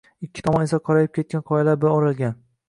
Ikki tomon esa qorayib ketgan qoyalar bilan oʻralgan